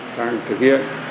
sang thực hiện